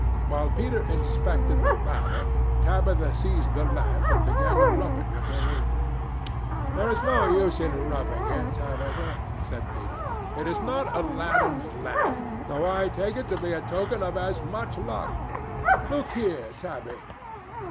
While Peter inspected the latter, Tabitha seized the lamp and began to rub it with her apron. "There is no use in rubbing it, Tabitha," said Peter. "It is not Aladdin's lamp, though I take it to be a token of as much luck. Look here, Tabby!"